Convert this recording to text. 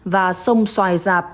và sông xoài giạp